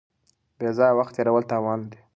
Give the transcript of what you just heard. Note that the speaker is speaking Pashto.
بې ځایه وخت تېرول تاوان لري.